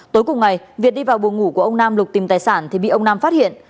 tối cùng ngày việt đi vào buồng ngủ của ông nam lục tìm tài sản thì bị ông nam phát hiện